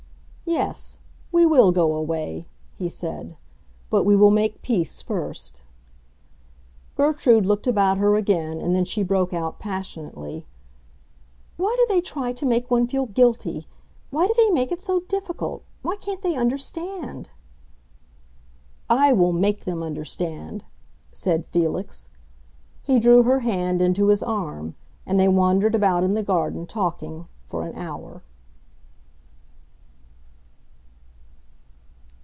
"Yes, we will go away," he said. "But we will make peace first." Gertrude looked about her again, and then she broke out, passionately, "Why do they try to make one feel guilty? Why do they make it so difficult? Why can't they understand?" "I will make them understand!" said Felix. He drew her hand into his arm, and they wandered about in the garden, talking, for an hour.